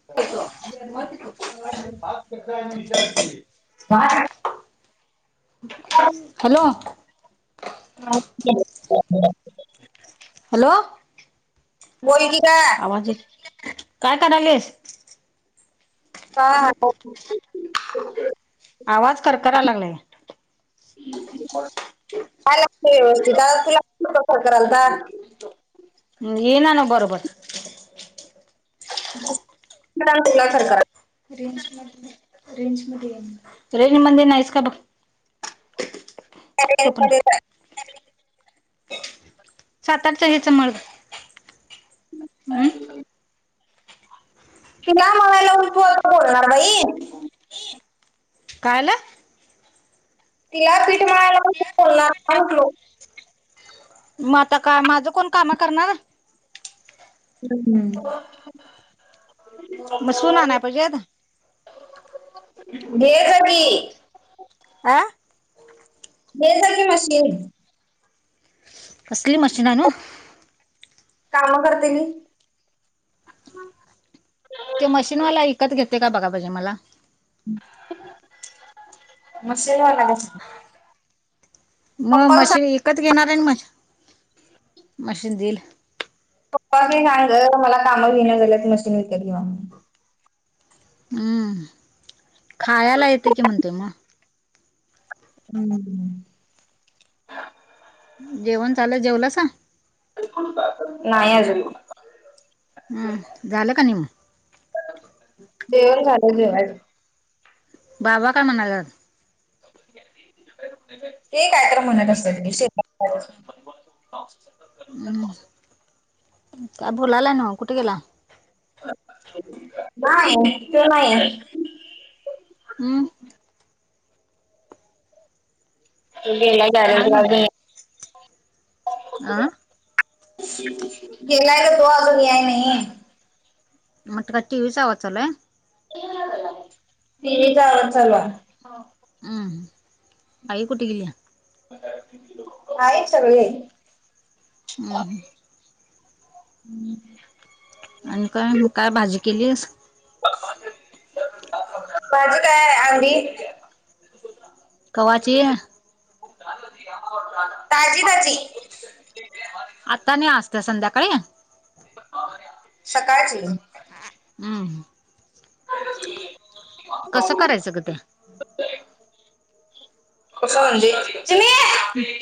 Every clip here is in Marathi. [unintelligible] हॅलो. [unintelligible] हॅलो. बोल की ग. आवाज येत काय करायलेस? का [unintelligible] आवाज कर-कराय लागलाय. कराय लागते व्यवस्थित, आता तुला कसा फोन करालता. हं ये ना ना बरोबर. [unintelligible] केला खरखराय रेंजमध्ये रेंजमध्ये ये म्हण. रेंजमध्ये नाहीस का बघ. तो पण [unintelligible] सातारच्या ह्याच मग, अं? तिला [unintelligible] उठ कोण बोलणार बाई. काय झालं? तिला पीठ मळायला बोलणार काय म्हंटलो. मग आता काय माझं कोण काम करणार? हम्म. मग सून आणाय पाहिजे घे गं की. आं लई तसल्या मशनी हाईत. कसली मशीन आणू? काम करतली. ते मशीनवाला विकत घेते का बघा पाहिजे मला. [unintelligible] म पप्पाला मशी सांग विकत घेणार आहे ना मशी मशीन दिल. पप्पांसनी सांग गं मला काम घेनं झाल्यात मशीन विकत घे म्हणून. हम्म खायला येते की म्हणते म. हम्म. जेवण चालू आहे जेवलासा. नाही अजून. हम्म झालं का नी म? जेवण झालं, जेवायचं आहे. बाबा काय म्हणालायत? ते काय तर म्हणत असलं मी स्वयंपाक [unintelligible] हम्म का भू लाला ना कुठे गेला? नाही ते नाही आहे. हम्म. [unintelligible] गेलाय हा ना अ तर तो अजून याय नाही. मग काय टीव्हीचा आवाज चालू हाय? टी व्ही चा आवाज चाल आहे. हा. उम्म हम्म आई कुठे गेल्या? हाय सगळे आहे. उम्म हम्म. हम्म. आणि काय मग काय भाजी केलीस? माझी काय आहे अधी कवाची ताजी भाजी आता नाही असतं संध्याकाळी? सकाळची उम्म हम्म. कसं करायचं ग ते? कसं म्हणजे? चिमे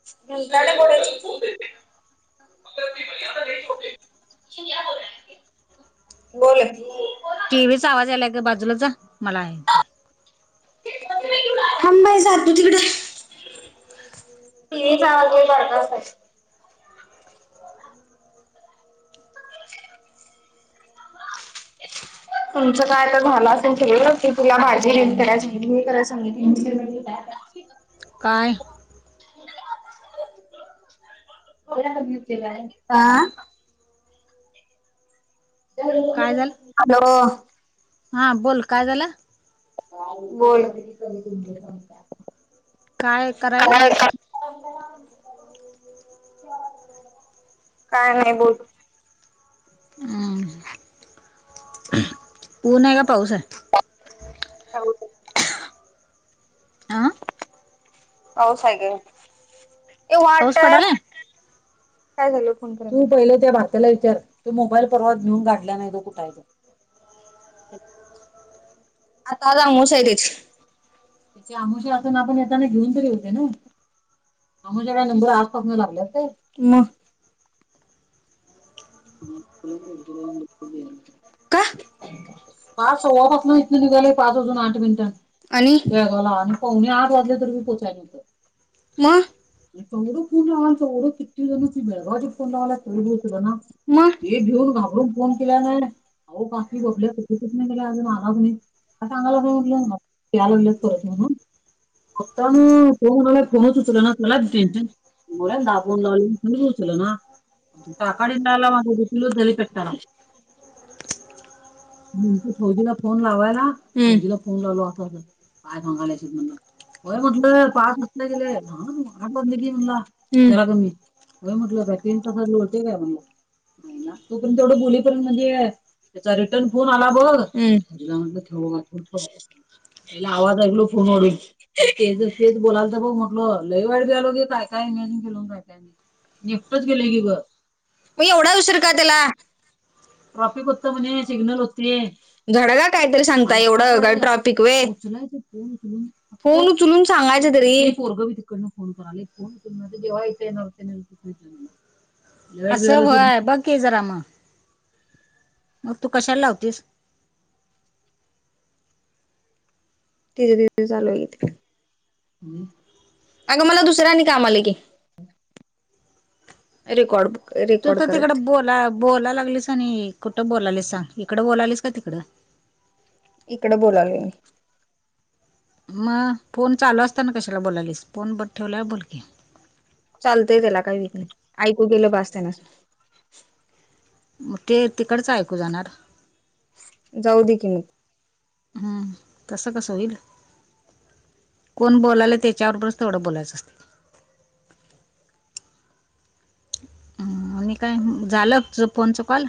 [unintelligible] बोल. टीव्हीचा आवाज आलाय गं बाजूला जा मला ऐका हम नाही जा तू तिकडं. [unintelligible] [inaudible] [inaudible] तुमचं काय तर झाला असेल सगळं की तुला भाजी कराय सांगितली हे कराय सांगितली. [unintelligible] काय? कां काय झालं हॅलो. हा बोल काय झालं? बोल. काय करायला [unintelligible] काय नाही बोल. उम्म पुन नाही का पाऊस आहे? [unintelligible] आं पाऊस आहे गं ए पाऊस वाटर पडालाय काय झालं फोन करायला तु पहिले त्या भात्याला विचार तू मोबाईल परवा नेऊन गाढला नाही तो कुठं आहेत. आता आज आमोवश्या आहे तेच त्याचे अमावश्या असताना आपण येताना घेऊन तरी येते ना. आमवश्याला [unintelligible] आसपासून लागलयात काय म. [unintelligible] हो पाच सव्वापासून इथनं निघालेय पाच अजून आठ मिनिटात. आणि वेगाला आणि पावणे आठ वाजले तर मी पोहचायला होतं म. आणि तेवढं फोन लावाल तेवढं किती जण त बेळगावी फोन लावालो [unintelligible] ना. मग हे घेऊन घाबरून फोन केला नाही अहो काकी बबल्या कुठं कुठनं गेला अजून आलाज नाही. हा सांगायला लागलो उरल्या म्हणत याय लागलो परत म्हणून. फक्त उम्म फोन आला फोनच उचलं ना तुलाच टेन्शन मोलायल दाबून दाबून कोणीच उचले ना टाकाळीन द्याला म मोद किलो दलीकट्टाला म्हणजे फौजीला फोन लावायला फौजीला फोन लावलो असा असा. काय मंगळायीच म्हणनं. होय म्हटलं पाच वाजले गेले [unintelligible] आठ वाजले की म्हणला. [unintelligible] होय म्हटलं बाई तिनचा तरी होतेे काय म्हणलं. तो पण तेवढं बुली कारण म्हणजे त्याचा रिटर्न फोन आला बघ तिला म्हटलं ठेव तू ठेव. हेला आवाज ऐकलो फोन वाडून. तेज हेच बोलायल तर म्हटलं लई वाट बी आलो के काय काय इमॅजिन केलं काय काय नाही. लीफटच गेलं की गं ब म ऐवढा उशीर का त्याला? ट्राफिक होतो म्हणे सिग्नल होते. घडऱ्या काहीतरी सांगताय एवढं का ट्रॉफिक वे. फोन उचलून सांगायचा तरी पोरगवी तिकडनं फोन कराला. [inaudible] जेव्हा इथे येणार होते. [inaudible] असं व्हय बघ मी जरा म. मग तू कशाला लावतीस? तिथे तिथे चालू आहे ते. अगं मला दुसऱ्यानी काम आलं की रेकॉर्ड बो तू तर तिकडं बोला बोलाय लागलीस आणि कुठं बोलालीस सांग इकडं बोलालीस का तिकडं. इकडे बोलायलो मी. मग फोन चालू असताना कशाला बोलालीस फोन बंद ठेवल्यावर बोल की. चालतंय त्याला काही विक नाही ऐकू गेलं पास त्याना. मग ते तिकडच ऐकू जाणार. जाऊ दे की मग. हम्म तसं कसं होईल. कोण बोलायला त्याच्यावर बरच तेवढं बोलायचं असते. आणि काय झालं तुझा फोनचं कॉल?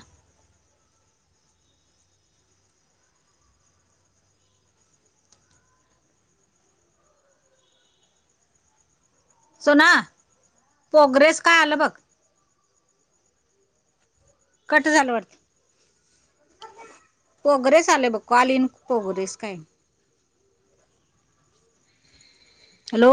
सोना प्रोग्रेस काय आलं बघ? कट झालं वाटतं. पोगरेस आलेय बघ कॉल इन पोगरेस काय हॅलो.